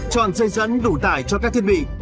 chọn dây dẫn đủ tải cho các thiết bị